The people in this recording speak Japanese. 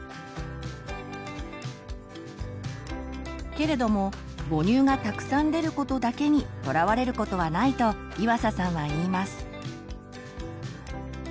けれども母乳がたくさん出ることだけにとらわれることはないと岩佐さんは言います。